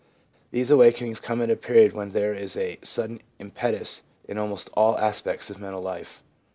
These awakenings come at a period when there is a sudden impetus in almost all aspects of mental life.